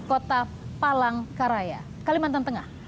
kota palangkaraya kalimantan tengah